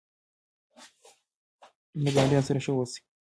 له ګاونډیانو سره ښه اوسئ.